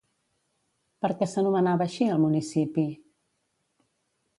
Per què s'anomenava així, el municipi?